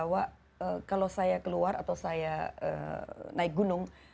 lalu saya membawa kalau saya keluar atau saya naik gunung